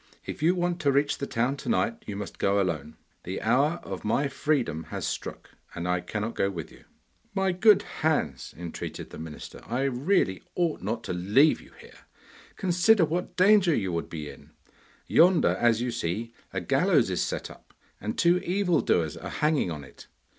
'If you want to reach the town to night you must go alone. The hour of my freedom has struck, and I cannot go with you.' 'My good Hans,' entreated the minister, 'I really ought not to leave you here. Consider what danger you would be in! Yonder, as you see, a gallows is set up, and two evil doers are hanging on it.